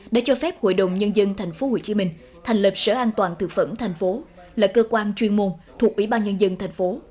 đã cho phép hội đồng nhân dân tp hcm thành lập sở an toàn thực phẩm thành phố là cơ quan chuyên môn thuộc ủy ban nhân dân tp